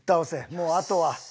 もうあとは。